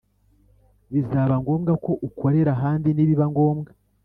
bizaba ngombwa ko ukorera ahandi nibiba ngombwa